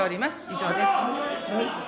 以上です。